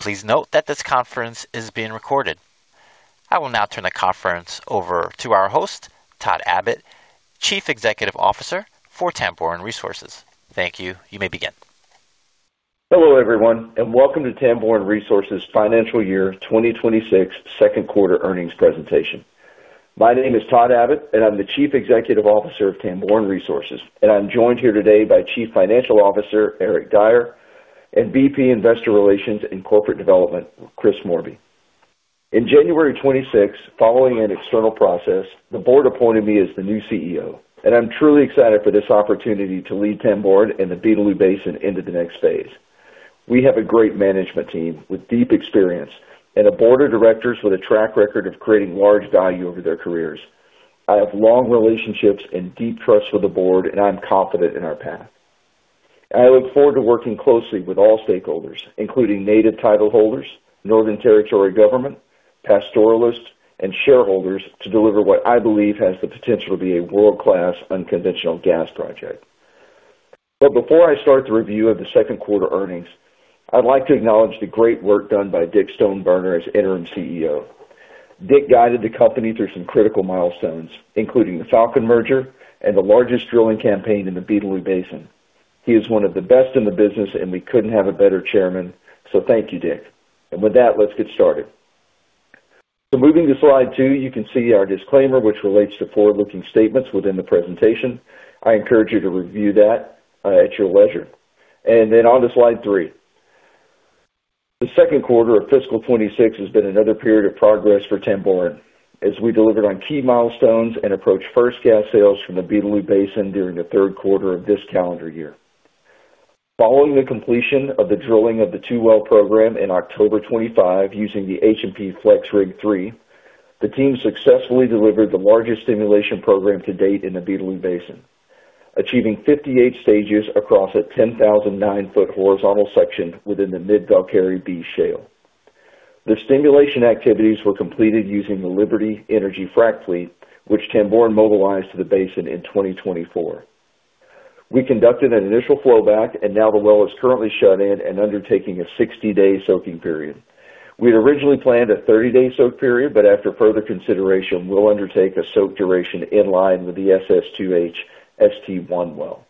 Please note that this conference is being recorded. I will now turn the conference over to our host, Todd Abbott, Chief Executive Officer for Tamboran Resources. Thank you. You may begin. Hello, everyone, and welcome to Tamboran Resources Financial Year 2026 second quarter earnings presentation. My name is Todd Abbott, and I'm the Chief Executive Officer of Tamboran Resources, and I'm joined here today by Chief Financial Officer, Eric Dyer, and V.P., Investor Relations and Corporate Development, Chris Morbey. In January 2026, following an external process, the board appointed me as the new CEO, and I'm truly excited for this opportunity to lead Tamboran and the Beetaloo Basin into the next phase. We have a great management team with deep experience and a board of directors with a track record of creating large value over their careers. I have long relationships and deep trust with the board, and I'm confident in our path. I look forward to working closely with all stakeholders, including native title holders, Northern Territory Government, pastoralists, and shareholders, to deliver what I believe has the potential to be a world-class unconventional gas project. But before I start the review of the second quarter earnings, I'd like to acknowledge the great work done by Dick Stoneburner as interim CEO. Dick guided the company through some critical milestones, including the Falcon merger and the largest drilling campaign in the Beetaloo Basin. He is one of the best in the business, and we couldn't have a better chairman. So, thank you, Dick. And with that, let's get started. So, moving to slide 2, you can see our disclaimer, which relates to forward-looking statements within the presentation. I encourage you to review that at your leisure. And then on to slide 3. The second quarter of fiscal 2026 has been another period of progress for Tamboran as we delivered on key milestones and approached first gas sales from the Beetaloo Basin during the third quarter of this calendar year. Following the completion of the drilling of the two-well program in October 2025, using the H&P FlexRig 3, the team successfully delivered the largest stimulation program to date in the Beetaloo Basin, achieving 58 stages across a 10,009-foot horizontal section within the Mid-Velkerri B Shale. The stimulation activities were completed using the Liberty Energy frac fleet, which Tamboran mobilized to the basin in 2024. We conducted an initial flow back, and now the well is currently shut in and undertaking a 60-day soaking period. We had originally planned a 30-day soak period, but after further consideration, we'll undertake a soak duration in line with the SS-2H ST-1 well.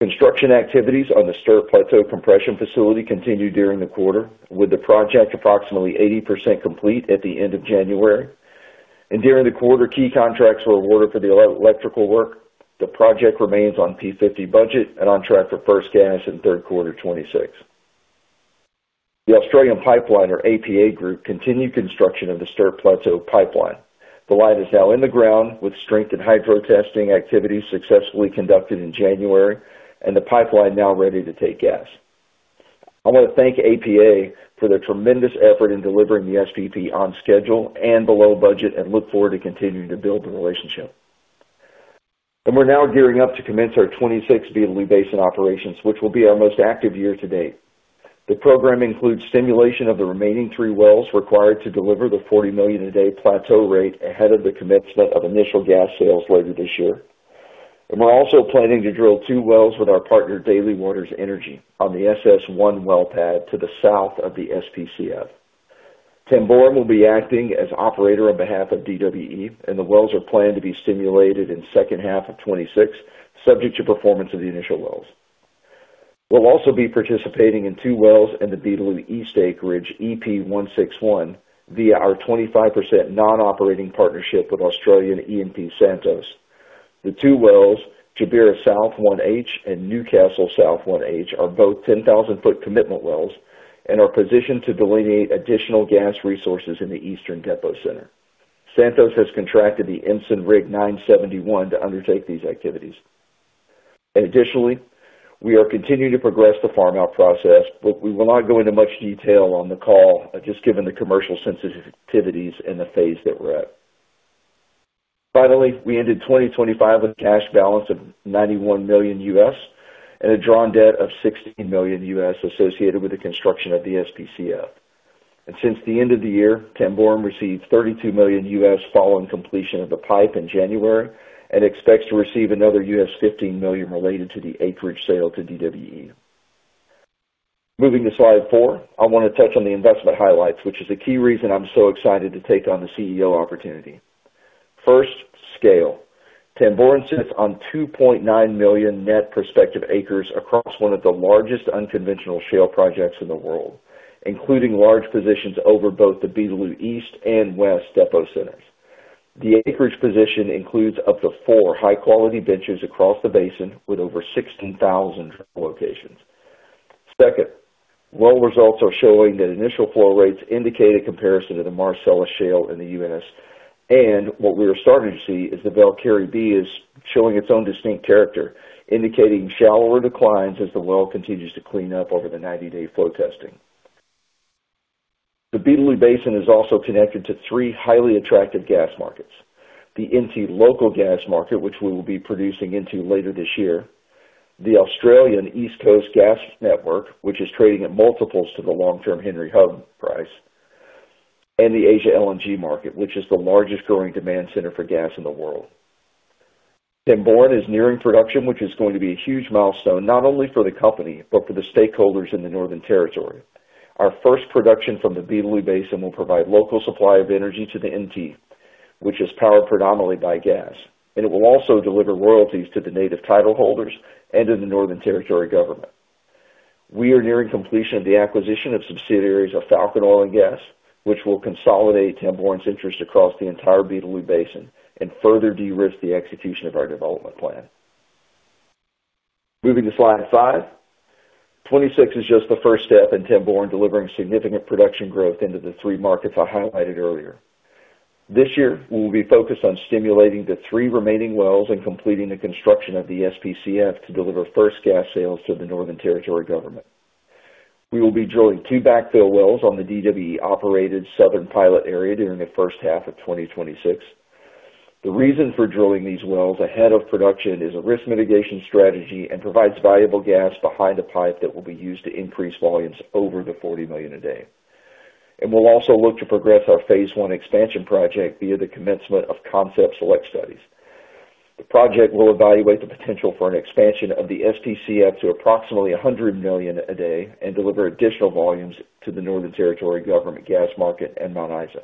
Construction activities on the Sturt Plateau Compression Facility continued during the quarter, with the project approximately 80% complete at the end of January. During the quarter, key contracts were awarded for the electrical work. The project remains on P50 budget and on track for first gas in third quarter 2026. The Australian Pipeline, or APA Group, continued construction of the Sturt Plateau Pipeline. The line is now in the ground, with strength and hydro testing activities successfully conducted in January and the pipeline now ready to take gas. I want to thank APA for their tremendous effort in delivering the SPP on schedule and below budget and look forward to continuing to build the relationship. We're now gearing up to commence our 2026 Beetaloo Basin operations, which will be our most active year to date. The program includes stimulation of the remaining three wells required to deliver the 40 million a day plateau rate ahead of the commencement of initial gas sales later this year. We're also planning to drill two wells with our partner, Daly Waters Energy, on the SS-1 well pad to the south of the SPCF. Tamboran will be acting as operator on behalf of DWE, and the wells are planned to be stimulated in second half of 2026, subject to performance of the initial wells. We'll also be participating in two wells in the Beetaloo East acreage, EP-161, via our 25% non-operating partnership with Australian E&P Santos. The two wells, Jabiru South 1H and Newcastle South 1H, are both 10,000-foot commitment wells and are positioned to delineate additional gas resources in the Eastern Depocenter. Santos has contracted the Ensign Rig 971 to undertake these activities. Additionally, we are continuing to progress the farm out process, but we will not go into much detail on the call, just given the commercially sensitive activities and the phase that we're at. Finally, we ended 2025 with a cash balance of $91 million and a drawn debt of $16 million associated with the construction of the SPCF. Since the end of the year, Tamboran received $32 million following completion of the PIPE in January and expects to receive another $15 million related to the acreage sale to DWE. Moving to slide 4, I want to touch on the investment highlights, which is a key reason I'm so excited to take on the CEO opportunity. First, scale. Tamboran sits on 2.9 million net prospective acres across one of the largest unconventional shale projects in the world, including large positions over both the Beetaloo East and West Depocenters. The acreage position includes up to four high-quality benches across the basin with over 16,000 locations. Second, well results are showing that initial flow rates indicate a comparison to the Marcellus Shale in the U.S., and what we are starting to see is the Velkerri B is showing its own distinct character, indicating shallower declines as the well continues to clean up over the 90-day flow testing. The Beetaloo Basin is also connected to three highly attractive gas markets: the NT local gas market, which we will be producing into later this year, the Australian East Coast gas network, which is trading at multiples to the long-term Henry Hub price, and the Asia LNG market, which is the largest growing demand center for gas in the world. Tamboran is nearing production, which is going to be a huge milestone, not only for the company, but for the stakeholders in the Northern Territory. Our first production from the Beetaloo Basin will provide local supply of energy to the NT, which is powered predominantly by gas, and it will also deliver royalties to the native title holders and to the Northern Territory Government. We are nearing completion of the acquisition of subsidiaries of Falcon Oil and Gas, which will consolidate Tamboran's interest across the entire Beetaloo Basin and further de-risk the execution of our development plan. Moving to slide 5. 2026 is just the first step in Tamboran delivering significant production growth into the three markets I highlighted earlier. This year, we will be focused on stimulating the three remaining wells and completing the construction of the SPCF to deliver first gas sales to the Northern Territory Government. We will be drilling two backfill wells on the DWE-operated Southern Pilot Area during the first half of 2026. The reason for drilling these wells ahead of production is a risk mitigation strategy and provides valuable gas behind the pipe that will be used to increase volumes over the 40 million a day. We'll also look to progress our Phase One expansion project via the commencement of concept select studies. The project will evaluate the potential for an expansion of the SPCF to approximately 100 million a day and deliver additional volumes to the Northern Territory Government gas market and Mount Isa.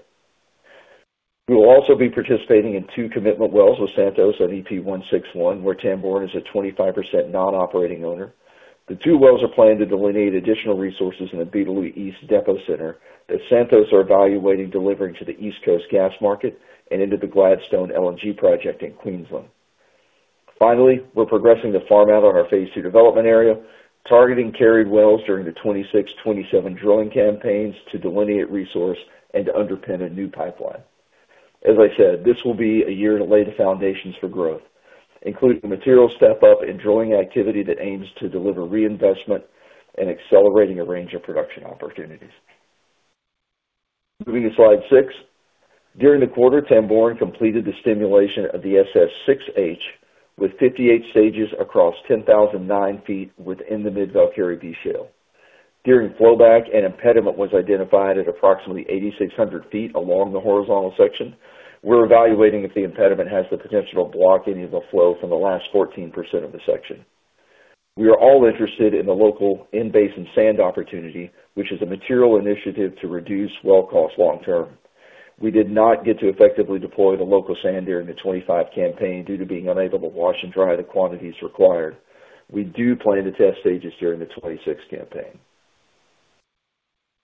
We will also be participating in 2 commitment wells with Santos on EP-161, where Tamboran is a 25% non-operating owner. The two wells are planned to delineate additional resources in the Beetaloo East Depocenter, that Santos are evaluating delivering to the East Coast gas market and into the Gladstone LNG project in Queensland. Finally, we're progressing the farm out on our Phase Two Development Area, targeting carried wells during the 2026, 2027 drilling campaigns to delineate resource and to underpin a new pipeline. As I said, this will be a year to lay the foundations for growth, including the material step up in drilling activity that aims to deliver reinvestment and accelerating a range of production opportunities. Moving to slide 6. During the quarter, Tamboran completed the stimulation of the SS-6H, with 58 stages across 10,009 feet within the Mid-Velkerri B Shale. During flow back, an impediment was identified at approximately 8,600 feet along the horizontal section. We're evaluating if the impediment has the potential to block any of the flow from the last 14% of the section. We are all interested in the local in-basin sand opportunity, which is a material initiative to reduce well cost long term. We did not get to effectively deploy the local sand during the 25 campaigns due to being unable to wash and dry the quantities required. We do plan to test stages during the 2026 campaign.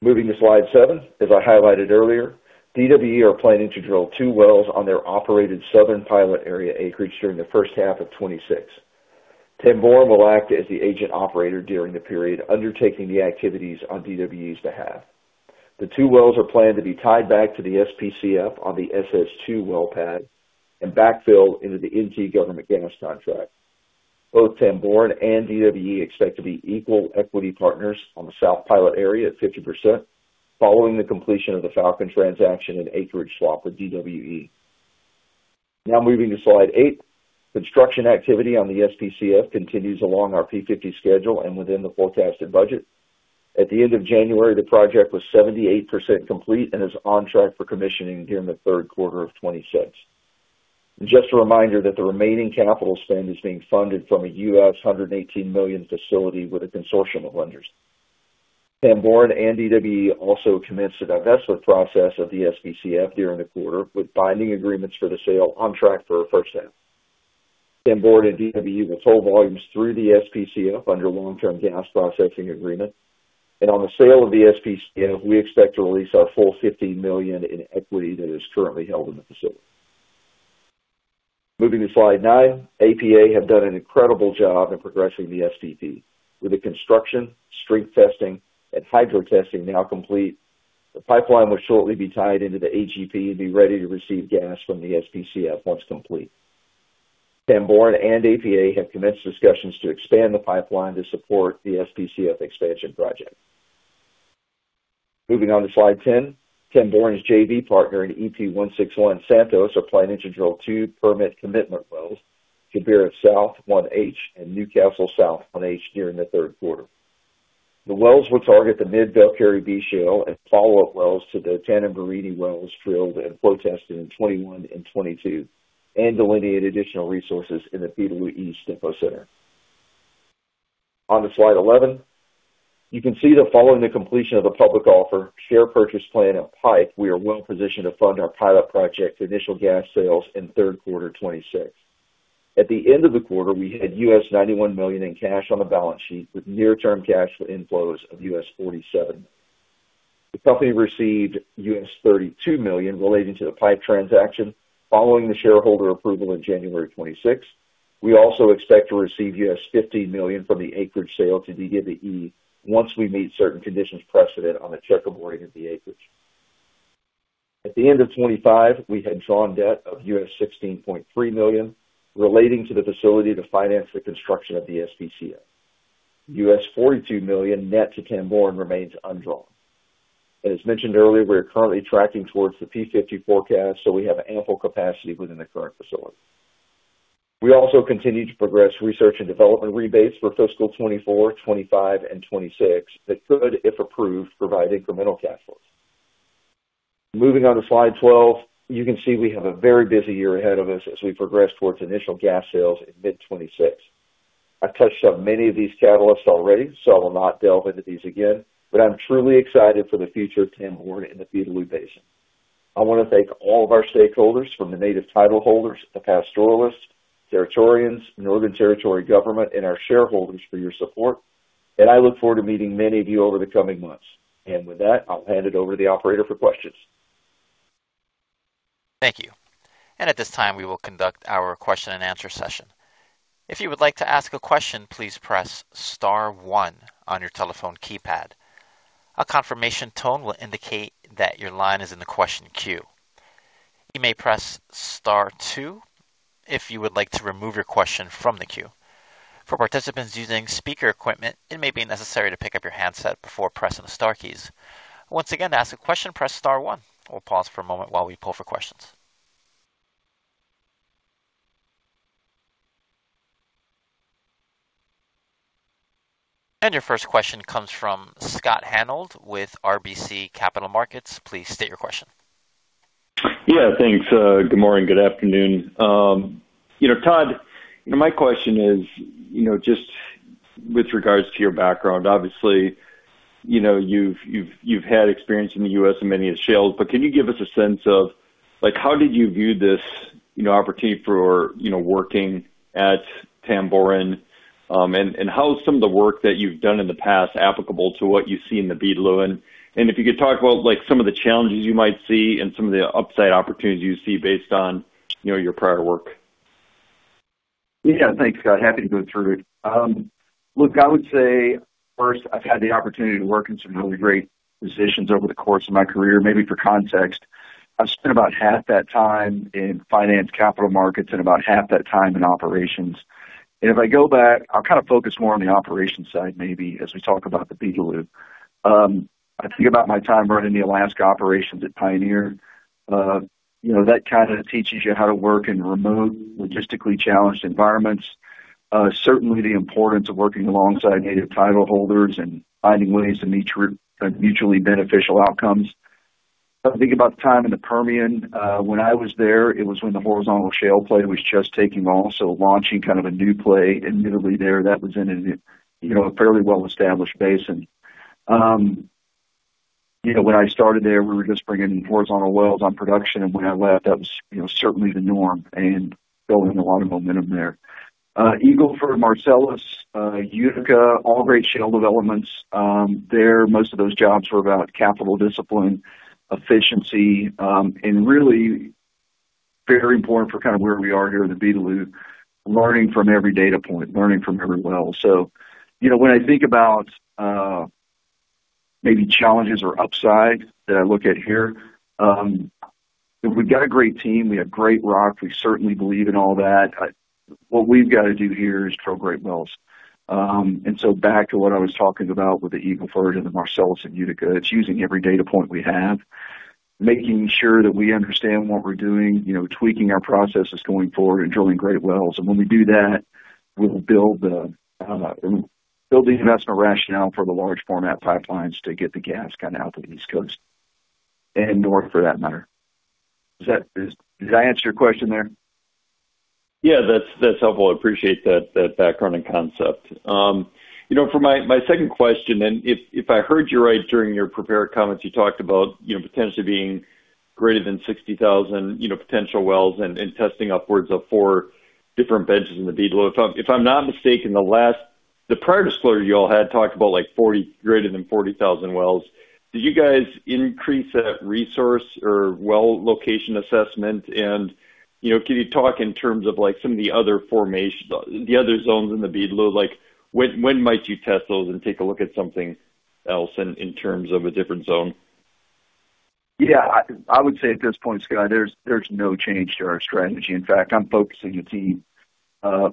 Moving to slide 7. As I highlighted earlier, DWE are planning to drill 2 wells on their operated Shenandoah South Pilot Area acreage during the first half of 2026. Tamboran will act as the agent operator during the period, undertaking the activities on DWE's behalf. The 2 wells are planned to be tied back to the SPCF on the SS-2 well pad and backfilled into the NT government gas contract. Both Tamboran and DWE expect to be equal equity partners on the Shenandoah South Pilot Area at 50% following the completion of the Falcon transaction and acreage swap with DWE. Now moving to slide 8. Construction activity on the SPCF continues along our P50 schedule and within the forecasted budget. At the end of January, the project was 78% complete and is on track for commissioning during the third quarter of 2026. Just a reminder that the remaining capital spend is being funded from a $118 million facility with a consortium of lenders. Tamboran and DWE also commenced the divestment process of the SPCF during the quarter, with binding agreements for the sale on track for our first half. Tamboran and DWE will sell volumes through the SPCF under a long-term gas processing agreement, and on the sale of the SPCF, we expect to release our full $15 million in equity that is currently held in the facility. Moving to slide 9. APA have done an incredible job in progressing the SPP. With the construction, strength testing, and hydro testing now complete, the pipeline will shortly be tied into the AGP and be ready to receive gas from the SPCF once complete. Tamboran and APA have commenced discussions to expand the pipeline to support the SPCF expansion project. Moving on to slide 10. Tamboran's JV partner in EP-161, Santos, are planning to drill 2 permit commitment wells, Jabiru South 1H and Newcastle South 1H, during the third quarter. The wells will target the Mid-Velkerri B Shale and follow-up wells to the Tanami wells drilled and flow tested in 2021 and 2022 and delineate additional resources in the Beetaloo East Depocenter. On to slide 11. You can see that following the completion of the public offer, share purchase plan, and PIPE, we are well positioned to fund our pilot project initial gas sales in third quarter 2026. At the end of the quarter, we had $91 million in cash on the balance sheet, with near-term cash inflows of $47 million. The company received $32 million relating to the PIPE transaction following the shareholder approval in January 2026. We also expect to receive $15 million from the acreage sale to DWE once we meet certain conditions precedent on the check and abiding of the acreage. At the end of 2025, we had drawn debt of $16.3 million relating to the facility to finance the construction of the SPCF. $42 million net to Tamboran remains undrawn. As mentioned earlier, we are currently tracking towards the P50 forecast, so we have ample capacity within the current facility. We also continue to progress research and development rebates for fiscal 2024, 2025, and 2026 that could, if approved, provide incremental cash flow. ...Moving on to slide 12, you can see we have a very busy year ahead of us as we progress towards initial gas sales in mid-2026. I've touched on many of these catalysts already, so I will not delve into these again, but I'm truly excited for the future of Tamboran in the Beetaloo Basin. I want to thank all of our stakeholders, from the native title holders, the pastoralists, Territorians, Northern Territory Government, and our shareholders for your support, and I look forward to meeting many of you over the coming months. And with that, I'll hand it over to the operator for questions. Thank you. At this time, we will conduct our question-and-answer session. If you would like to ask a question, please press * 1 on your telephone keypad. A confirmation tone will indicate that your line is in the question queue. You may press star two if you would like to remove your question from the queue. For participants using speaker equipment, it may be necessary to pick up your handset before pressing the star keys. Once again, to ask a question, press * 1. We'll pause for a moment while we pull for questions. Your first question comes from Scott Hanold with RBC Capital Markets. Please state your question. Yeah, thanks. Good morning, good afternoon. You know, Todd, my question is, you know, just with regards to your background, obviously, you know, you've had experience in the US and many of the shales. But can you give us a sense of, like, how did you view this, you know, opportunity for, you know, working at Tamboran? And how is some of the work that you've done in the past applicable to what you see in the Beetaloo? And if you could talk about, like, some of the challenges you might see and some of the upside opportunities you see based on, you know, your prior work. Yeah. Thanks, Scott. Happy to go through it. Look, I would say, first, I've had the opportunity to work in some really great positions over the course of my career. Maybe for context, I've spent about half that time in finance, capital markets and about half that time in operations. And if I go back, I'll kind of focus more on the operations side, maybe as we talk about the Beetaloo. I think about my time running the Alaska operations at Pioneer. You know that kind of teaches you how to work in remote, logistically challenged environments. Certainly, the importance of working alongside native title holders and finding ways to meet mutually beneficial outcomes. I think about the time in the Permian. When I was there, it was when the horizontal shale play was just taking off, so launching kind of a new play admittedly there, that was in a, you know, a fairly well-established basin. You know, when I started there, we were just bringing horizontal wells on production, and when I left, that was, you know, certainly the norm and building a lot of momentum there. Eagle Ford, Marcellus, Utica, all great shale developments. There, most of those jobs were about capital discipline, efficiency, and really very important for kind of where we are here in the Beetaloo, learning from every data point, learning from every well. So, you know, when I think about maybe challenges or upside that I look at here, we've got a great team, we have great rock. We certainly believe in all that. What we've got to do here is drill great wells. So back to what I was talking about with the Eagle Ford and the Marcellus and Utica, it's using every data point we have, making sure that we understand what we're doing, you know, tweaking our processes going forward and drilling great wells. And when we do that, we'll build the investment rationale for the large format pipelines to get the gas out to the East Coast and north, for that matter. Does that... Did I answer your question there? Yeah, that's, that's helpful. I appreciate that, that background and concept. You know, for my, my second question, and if, if I heard you right during your prepared comments, you talked about, you know, potentially being greater than 60,000, you know, potential wells and, and testing upwards of 4 different benches in the Beetaloo. If I'm, if I'm not mistaken, the last, the prior disclosure you all had talked about, like, 40, greater than 40,000 wells. Did you guys increase that resource or well location assessment? And, you know, can you talk in terms of like some of the other formations, the other zones in the Beetaloo? Like, when, when might you test those and take a look at something else in, in terms of a different zone? Yeah, I would say at this point, Scott, there's no change to our strategy. In fact, I'm focusing the team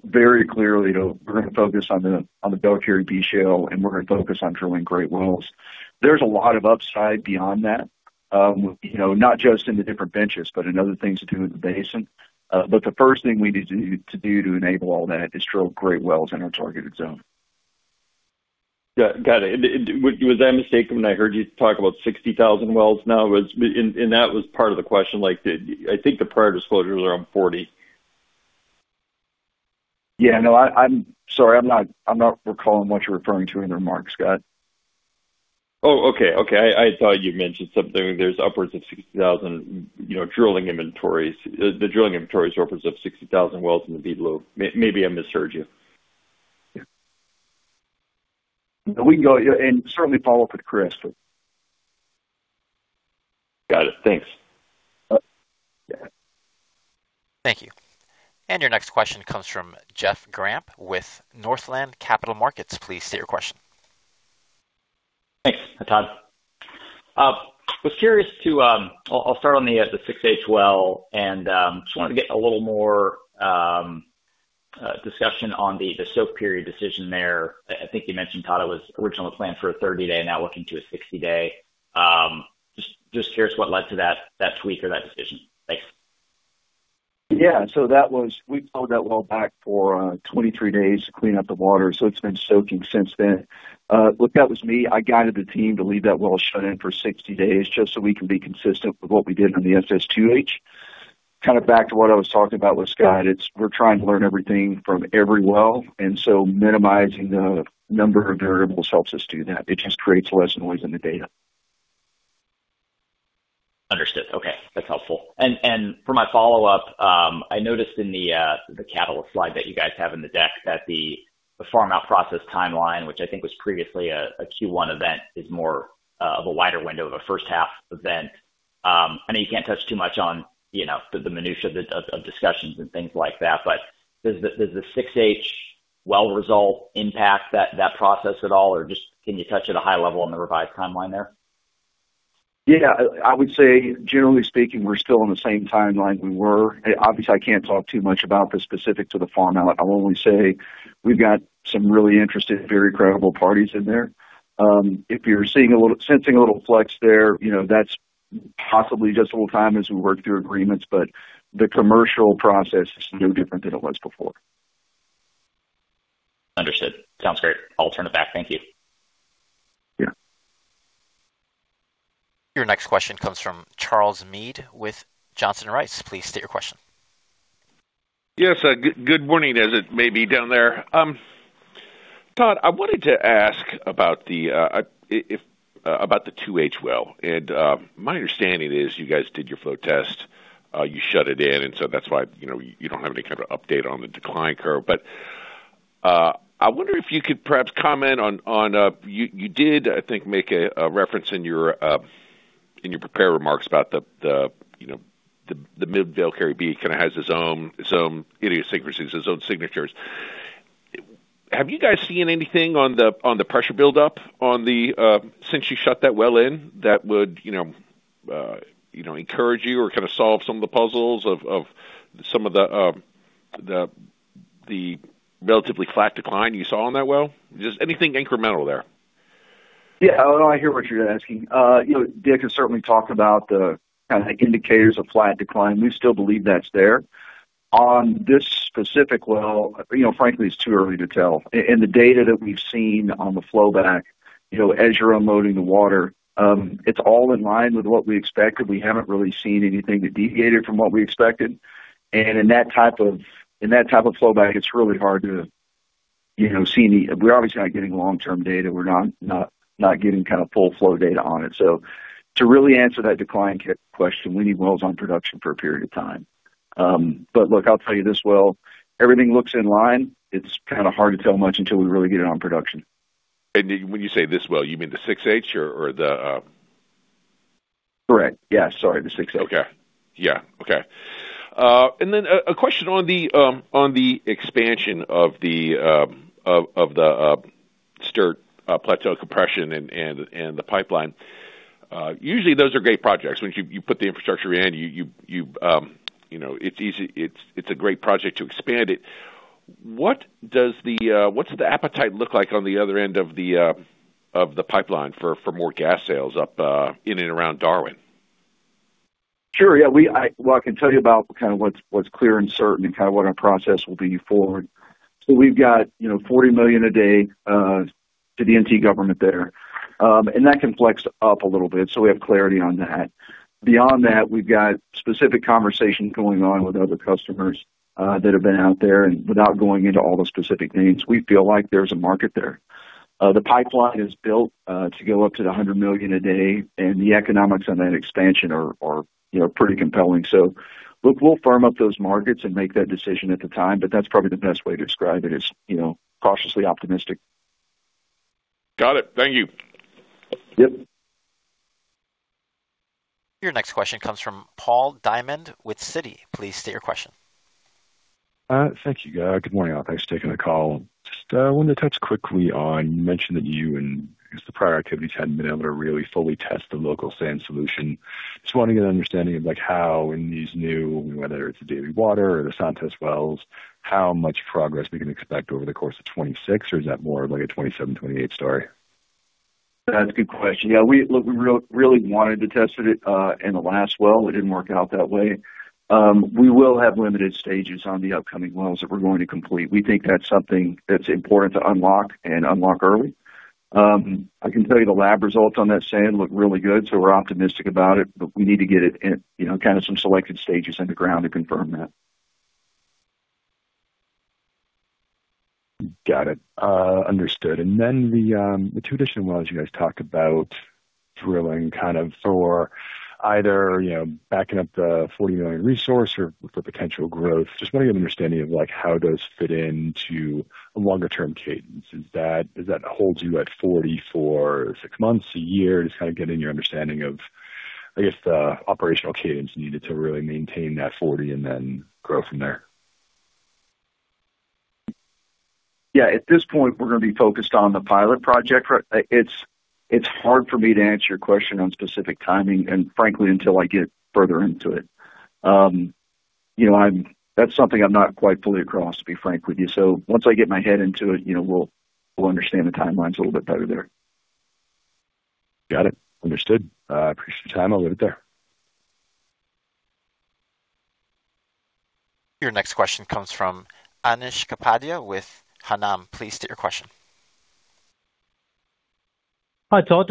very clearly to we're going to focus on the Mid-Velkerri B Shale, and we're going to focus on drilling great wells. There's a lot of upside beyond that, you know, not just in the different benches, but in other things to do with the basin. But the first thing we need to do to enable all that is drill great wells in our targeted zone. Yeah. Got it. Was I mistaken when I heard you talk about 60,000 wells now? And that was part of the question, like, I think the prior disclosures were around 40. Yeah. No, I'm sorry. I'm not recalling what you're referring to in the remarks, Scott. Oh, okay. Okay. I thought you mentioned something. There's upwards of 60,000, you know, drilling inventories. The drilling inventories upwards of 60,000 wells in the Beetaloo. Maybe I misheard you. We can go and certainly follow up with Chris. Got it. Thanks. Uh, yeah. Thank you. Your next question comes from Jeff Gramp with Northland Capital Markets. Please state your question. Thanks, Todd. Was curious to... I'll start on the 6H well, and just wanted to get a little more discussion on the soak period decision there. I think you mentioned, Todd, it was originally planned for a 30-day and now looking to a 60-day. Just curious what led to that tweak or that decision. Thanks.... Yeah, so that was, we pulled that well back for 23 days to clean up the water, so it's been soaking since then. Look, that was me. I guided the team to leave that well shut in for 60 days just so we can be consistent with what we did on the SS-2H. Kind of back to what I was talking about with Scott, it's we're trying to learn everything from every well, and so minimizing the number of variables helps us do that. It just creates less noise in the data. Understood. Okay, that's helpful. And for my follow-up, I noticed in the capital slide that you guys have in the deck, that the farm-out process timeline, which I think was previously a Q1 event, is more of a wider window of a first half event. I know you can't touch too much on, you know, the minutia of discussions and things like that, but does the 6H well result impact that process at all? Or just can you touch at a high level on the revised timeline there? Yeah, I would say generally speaking, we're still on the same timeline we were. Obviously, I can't talk too much about the specific to the farm out. I'll only say we've got some really interested, very credible parties in there. If you're sensing a little flex there, you know, that's possibly just a little time as we work through agreements, but the commercial process is no different than it was before. Understood. Sounds great. I'll turn it back. Thank you. Yeah. Your next question comes from Charles Meade with Johnson Rice. Please state your question. Yes, good morning, as it may be down there. Todd, I wanted to ask about the 2H well, and my understanding is you guys did your flow test, you shut it in, and so that's why, you know, you don't have any kind of update on the decline curve. But I wonder if you could perhaps comment on you did, I think, make a reference in your prepared remarks about the you know the Mid-Velkerri B kind of has its own idiosyncrasies, its own signatures. Have you guys seen anything on the pressure buildup since you shut that well in that would, you know, you know, encourage you or kind of solve some of the puzzles of the relatively flat decline you saw on that well? Just anything incremental there? Yeah, no, I hear what you're asking. You know, Dave can certainly talk about the kind of indicators of flat decline. We still believe that's there. On this specific well, you know, frankly, it's too early to tell. And the data that we've seen on the flow back, you know, as you're unloading the water, it's all in line with what we expected. We haven't really seen anything that deviated from what we expected. And in that type of flow back, it's really hard to, you know, see any... We're obviously not getting long-term data. We're not getting kind of full flow data on it. So, to really answer that decline question, we need wells on production for a period of time. But look, I'll tell you, this well, everything looks in line. It's kind of hard to tell much until we really get it on production. When you say this well, you mean the 6H or the- Correct. Yeah, sorry, the 6H. Okay. Yeah, okay. And then a question on the expansion of the Sturt Plateau compression and the pipeline. Usually those are great projects. Once you know, it's easy—it's a great project to expand it. What's the appetite look like on the other end of the pipeline for more gas sales up in and around Darwin? Sure. Yeah, well, I can tell you about kind of what's clear and certain and kind of what our process will be forward. So we've got, you know, 40 million a day to the NT government there, and that can flex up a little bit, so we have clarity on that. Beyond that, we've got specific conversations going on with other customers that have been out there, and without going into all the specific names, we feel like there's a market there. The pipeline is built to go up to the 100 million a day, and the economics on that expansion are, you know, pretty compelling. So look, we'll firm up those markets and make that decision at the time, but that's probably the best way to describe it is, you know, cautiously optimistic. Got it. Thank you. Yep. Your next question comes from Paul Diamond with Citi. Please state your question. Thank you, guys. Good morning, all. Thanks for taking the call. Just wanted to touch quickly on, you mentioned that you and I guess the prior activities hadn't been able to really fully test the local sand solution. Just want to get an understanding of, like, how in these new, whether it's the Daly Waters or the Santos wells, how much progress we can expect over the course of 2026, or is that more of like a 2027, 2028 story? That's a good question. Yeah, look, we really wanted to test it in the last well. It didn't work out that way. We will have limited stages on the upcoming wells that we're going to complete. We think that's something that's important to unlock and unlock early. I can tell you the lab results on that sand look really good, so we're optimistic about it, but we need to get it in, you know, kind of some selected stages underground to confirm that. Got it. Understood. And then the 2 additional wells, you guys talked about drilling kind of for either, you know, backing up the 40 million resource or for potential growth. Just want to get an understanding of, like, how does fit into a longer term cadence. Is that, does that hold you at 40 for 6 months, a year? Just kind of getting your understanding of, I guess, the operational cadence needed to really maintain that 40 and then grow from there. Yeah, at this point, we're gonna be focused on the pilot project. It's, it's hard for me to answer your question on specific timing and frankly, until I get further into it. You know, I'm... That's something I'm not quite fully across, to be frank with you. So, once I get my head into it, you know, we'll, we'll understand the timelines a little bit better there.... Got it. Understood. I appreciate your time. I'll leave it there. Your next question comes from Anish Kapadia with Hannam. Please state your question. Hi, Todd.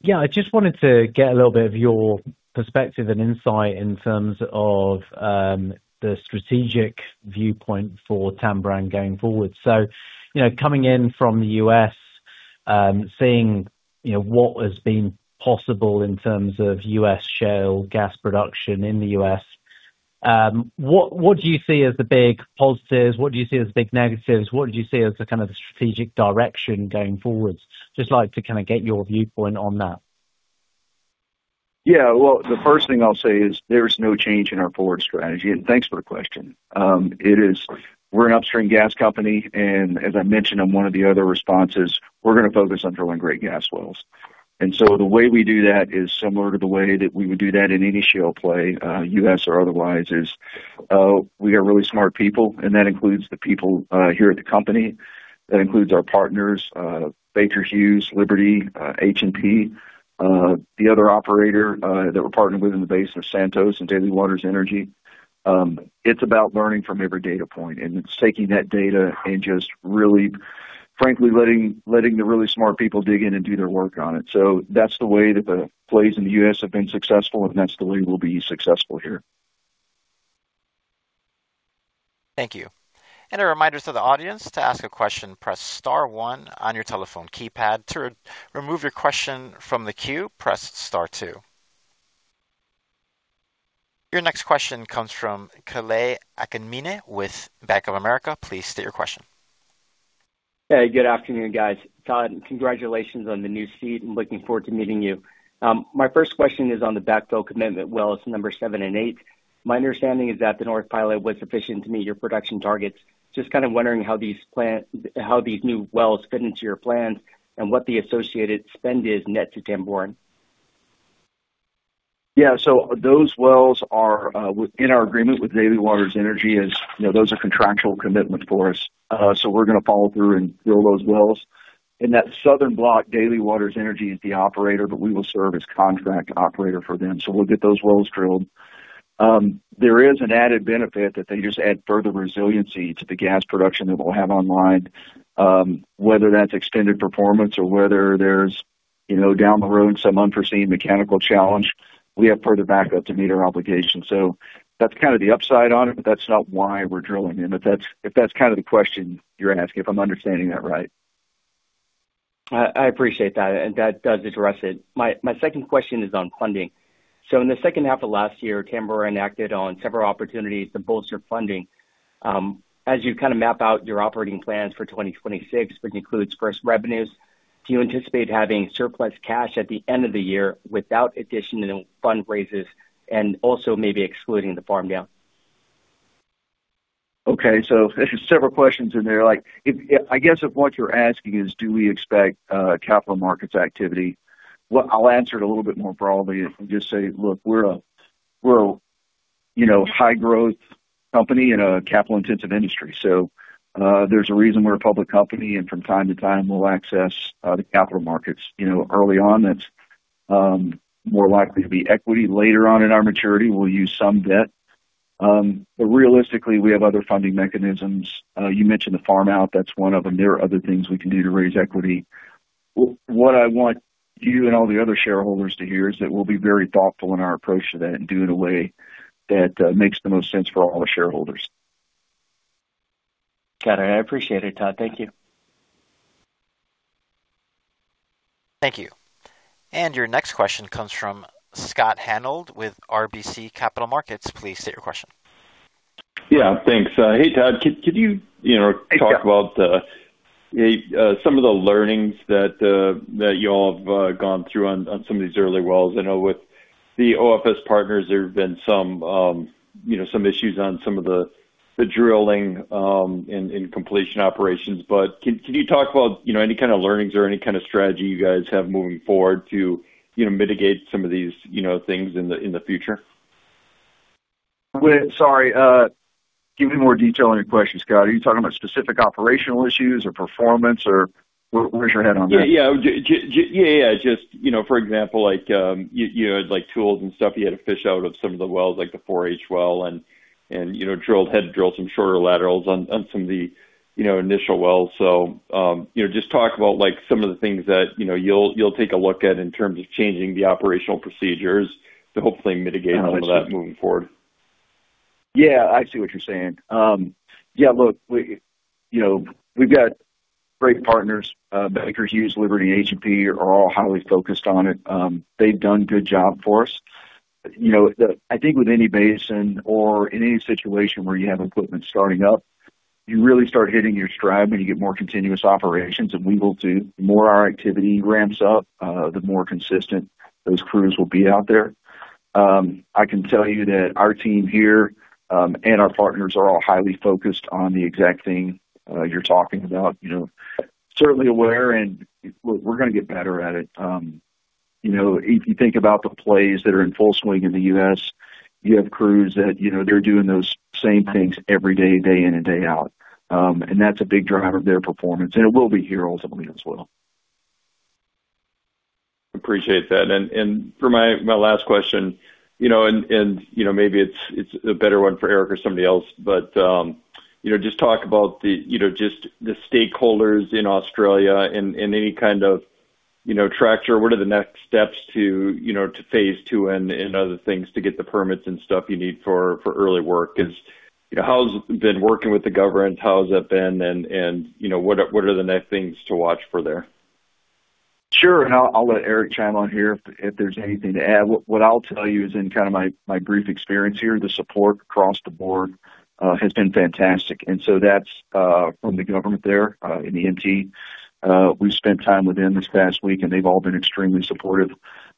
Yeah, I just wanted to get a little bit of your perspective and insight in terms of the strategic viewpoint for Tamboran going forward. So, you know, coming in from the U.S., seeing, you know, what has been possible in terms of U.S. shale gas production in the U.S., what do you see as the big positives? What do you see as the big negatives? What do you see as the kind of strategic direction going forward? Just like to kind of get your viewpoint on that. Yeah, well, the first thing I'll say is there's no change in our forward strategy, and thanks for the question. It is... We're an upstream gas company, and as I mentioned on one of the other responses, we're going to focus on drilling great gas wells. And so, the way we do that is similar to the way that we would do that in any shale play, U.S. or otherwise, we have really smart people, and that includes the people here at the company. That includes our partners, Baker Hughes, Liberty, H&P, the other operator that we're partnered with in the basin of Santos and Daly Waters Energy. It's about learning from every data point and taking that data and just really, frankly, letting the really smart people dig in and do their work on it. That's the way that the plays in the U.S. have been successful, and that's the way we'll be successful here. Thank you. And a reminder to the audience, to ask a question, press star one on your telephone keypad. To re-remove your question from the queue, press star two. Your next question comes from Kalei Akamine with Bank of America. Please state your question. Hey, good afternoon, guys. Todd, congratulations on the new seat and looking forward to meeting you. My first question is on the backfill commitment, wells number 7 and 8. My understanding is that the North pilot was sufficient to meet your production targets. Just kind of wondering how these plans... how these new wells fit into your plans and what the associated spend is net to Tamboran. Yeah, so those wells are within our agreement with Daly Waters Energy, you know, those are contractual commitments for us. So, we're going to follow through and drill those wells. In that southern block, Daly Waters Energy is the operator, but we will serve as contract operator for them. So, we'll get those wells drilled. There is an added benefit that they just add further resiliency to the gas production that we'll have online. Whether that's extended performance or whether there's, you know, down the road, some unforeseen mechanical challenge, we have further backup to meet our obligations. So that's kind of the upside on it, but that's not why we're drilling in. But that's if that's kind of the question you're asking, if I'm understanding that right. I, I appreciate that, and that does address it. My, my second question is on funding. So, in the second half of last year, Tamboran acted on several opportunities to bolster funding. As you kind of map out your operating plans for 2026, which includes first revenues, do you anticipate having surplus cash at the end of the year without additional fundraisers and also maybe excluding the farm down? Okay, so there's several questions in there. Like, if, if I guess if what you're asking is, do we expect capital markets activity? Well, I'll answer it a little bit more broadly and just say, look, we're a, we're a, you know, high growth company in a capital-intensive industry. So, there's a reason we're a public company, and from time to time, we'll access the capital markets. You know, early on, that's more likely to be equity. Later on in our maturity, we'll use some debt. But realistically, we have other funding mechanisms. You mentioned the farm out. That's one of them. There are other things we can do to raise equity. What I want you and all the other shareholders to hear is that we'll be very thoughtful in our approach to that and do it in a way that makes the most sense for all our shareholders. Got it. I appreciate it, Todd. Thank you. Thank you. Your next question comes from Scott Hanold with RBC Capital Markets. Please state your question. Yeah, thanks. Hey, Todd, could you talk about some of the learnings that you all have gone through on some of these early wells? I know with the OFS partners, there have been some issues on some of the drilling and completion operations. But can you talk about any kind of learnings or any kind of strategy you guys have moving forward to mitigate some of these things in the future? Sorry, give me more detail on your question, Scott. Are you talking about specific operational issues or performance, or where's your head on that? Yeah. Yeah. Just, you know, for example, like, you, you had, like, tools and stuff you had to fish out of some of the wells, like the 4H well and, and, you know, drilled... had to drill some shorter laterals on, on some of the, you know, initial wells. So, you know, just talk about, like, some of the things that, you know, you'll, you'll take a look at in terms of changing the operational procedures to hopefully mitigate all of that moving forward. Yeah, I see what you're saying. Yeah, look, we, you know, we've got great partners. Baker Hughes, Liberty, H&P are all highly focused on it. They've done a good job for us. You know, I think with any basin or in any situation where you have equipment starting up, you really start hitting your stride when you get more continuous operations, and we will do. The more our activity ramps up, the more consistent those crews will be out there. I can tell you that our team here, and our partners are all highly focused on the exact thing you're talking about. You know, certainly aware, and we're going to get better at it. You know, if you think about the plays that are in full swing in the U.S., you have crews that, you know, they're doing those same things every day, day in and day out. That's a big driver of their performance, and it will be here ultimately as well. Appreciate that. And for my last question, you know, maybe it's a better one for Eric or somebody else, but you know, just talk about just the stakeholders in Australia and any kind of traction or what are the next steps to phase two and other things to get the permits and stuff you need for early work. How's it been working with the government? How has that been? And you know, what are the next things to watch for there? Sure. And I'll let Eric chime on here if there's anything to add. What I'll tell you is, in kind of my brief experience here, the support across the board has been fantastic. And so, that's from the government there in the NT. We've spent time with them this past week, and they've all been extremely supportive.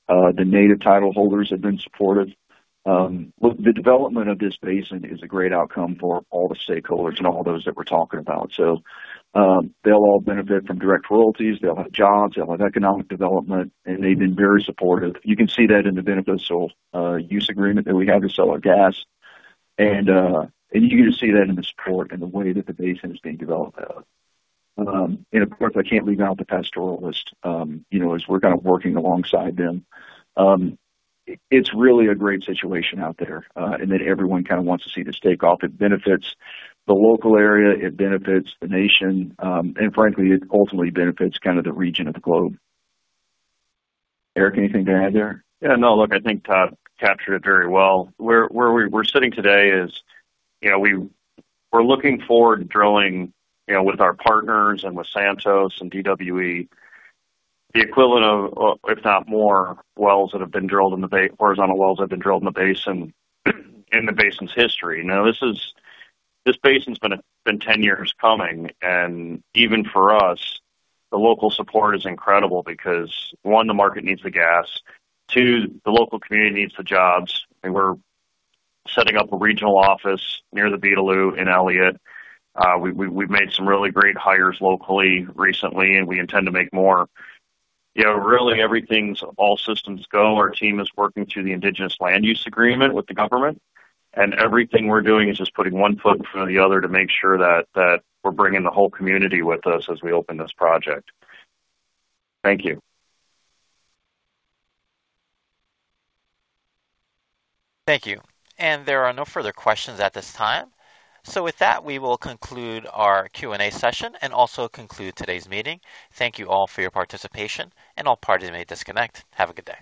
The native title holders have been supportive. Look, the development of this basin is a great outcome for all the stakeholders and all those that we're talking about. So, they'll all benefit from direct royalties. They'll have jobs, they'll have economic development, and they've been very supportive. You can see that in the beneficial use agreement that we have to sell our gas. You can just see that in the support and the way that the basin is being developed. And of course, I can't leave out the pastoralists, you know, as we're kind of working alongside them. It's really a great situation out there, and that everyone kind of wants to see this take off. It benefits the local area, it benefits the nation, and frankly, it ultimately benefits kind of the region of the globe. Eric, anything to add there? Yeah, no, look, I think Todd captured it very well. Where we're sitting today is, you know, we're looking forward to drilling, you know, with our partners and with Santos and DWE, the equivalent of, if not more, horizontal wells that have been drilled in the basin, in the basin's history. You know, this basin's been ten years coming, and even for us, the local support is incredible, because one, the market needs the gas. Two, the local community needs the jobs, and we're setting up a regional office near the Beetaloo in Elliott. We've made some really great hires locally, recently, and we intend to make more. You know, really, everything's all systems go. Our team is working through the Indigenous Land Use Agreement with the government, and everything we're doing is just putting one foot in front of the other to make sure that we're bringing the whole community with us as we open this project. Thank you. Thank you. There are no further questions at this time. With that, we will conclude our Q&A session and also conclude today's meeting. Thank you all for your participation, and all parties may disconnect. Have a good day.